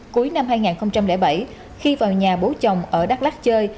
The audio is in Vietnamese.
cuối năm hai nghìn bảy khi vào nhà bố chồng ở đắk lắc chơi